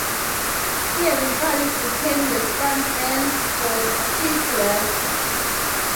He eventually became the front man for Chick Webb.